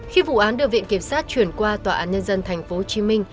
khi vụ án được viện kiểm sát chuyển qua tòa án nhân dân tp hcm